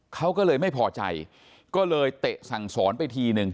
เขาก็เลยไม่พอใจก็เลยเตะสั่งสอนไปทีนึง